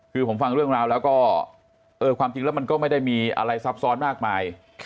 คือผมฟังเรื่องราวแล้วก็ความจริงแล้วมันก็ไม่ได้มีอะไรซับซ้อนมากมาย